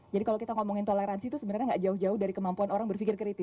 jadi kalau kita ngomongin toleransi itu sebenarnya gak jauh jauh dari kemampuan orang berpikir kritis